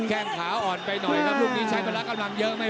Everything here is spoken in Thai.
แข่งขาอ่อนไปหน่อยครับลูกนี้ใช้เวลากำลังเยอะไม่ว่ากัน